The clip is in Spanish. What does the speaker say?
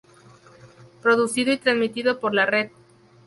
Producido y transmitido por La Red.